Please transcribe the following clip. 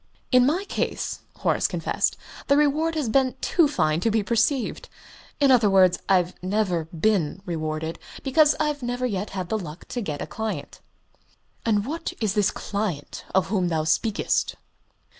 "In my case," Horace confessed, "the reward has been too fine to be perceived. In other words, I've never been rewarded, because I've never yet had the luck to get a client." "And what is this client of whom thou speakest?"